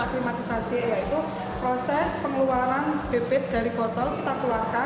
aklimatisasi yaitu proses pengeluaran bebet dari botol kita keluarkan